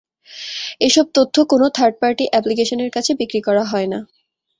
এসব তথ্য কোনো থার্ড পার্টি অ্যাপ্লিকেশনের কাছে বিক্রি করা হয় না।